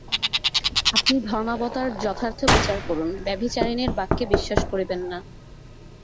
আপনি ধর্মাবতার যথার্থ বিচার করুন ব্যভিচারিণীর বাক্যে বিশ্বাস করিবেন না।